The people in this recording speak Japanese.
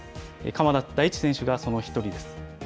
鎌田大地選手がその１人です。